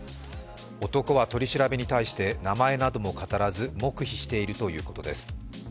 男は取り調べに対して名前なども語らず黙秘しているということです。